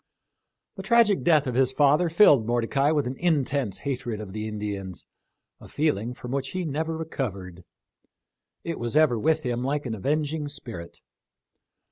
The tragic death of his father filled Mordecai with an intense hatred of the Indians — a feeling from which he never recovered. It was ever with him like an avenging spirit.